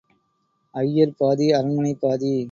ஐயர் பாதி, அரண்மனை பாதி.